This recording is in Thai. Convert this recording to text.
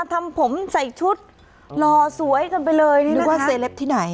ทำผมใส่ชุดหล่อสวยกันไปเลยนี่นึกว่าเซเลปที่ไหน